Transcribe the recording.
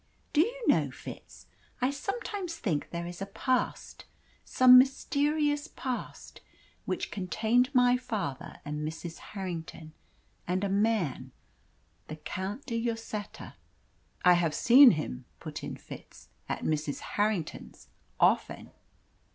Do you know, Fitz, I sometimes think there is a past some mysterious past which contained my father and Mrs. Harrington and a man the Count de Lloseta." "I have seen him," put in Fitz, "at Mrs. Harrington's often."